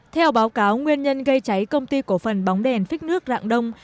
theo báo cáo nguyên nhân gây cháy công ty cổ phần bóng đèn phích nước rạng đông